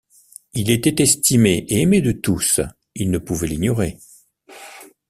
Il était estimé et aimé de tous, il ne pouvait l’ignorer.